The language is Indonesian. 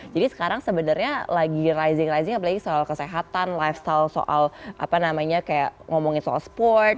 jadi sekarang sebenarnya lagi rising rising apalagi soal kesehatan lifestyle soal apa namanya kayak ngomongin soal sport